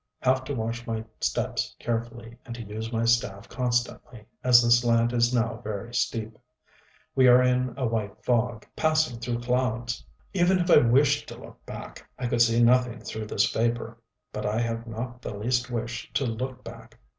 Have to watch my steps carefully, and to use my staff constantly, as the slant is now very steep.... We are in a white fog, passing through clouds! Even if I wished to look back, I could see nothing through this vapor; but I have not the least wish to look back.